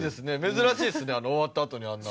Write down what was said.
珍しいですね終わったあとにあんな。